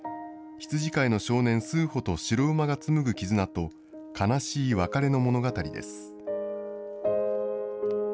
羊飼いの少年、スーホと白馬が紡ぐ絆と悲しい別れの物語です。